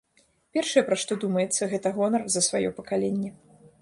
Першае, пра што думаецца, гэта гонар за сваё пакаленне.